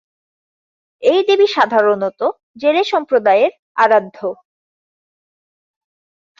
এই দেবী সাধারণত জেলে সম্প্রদায়ের আরাধ্য।